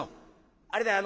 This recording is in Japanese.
あれだよ